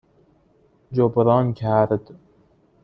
جبران کرد